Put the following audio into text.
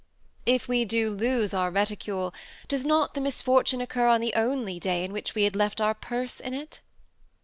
If we do lose our reticule, does not the misfortune occur on the only day on which we had left our purse in it